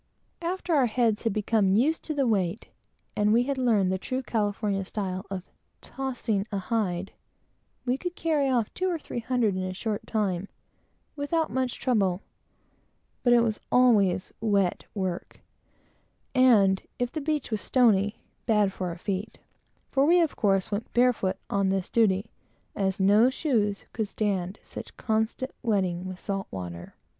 After we had got our heads used to the weight, and had learned the true California style of tossing a hide, we could carry off two or three hundred in a short time, without much trouble; but it was always wet work, and, if the beach was stony, bad for our feet; for we, of course, always went barefooted on this duty, as no shoes could stand such constant wetting with salt water.